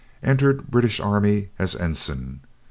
Entered British Army as ensign.